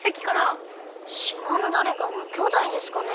しまのだれかのきょうだいですかね？